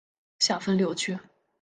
下分六区。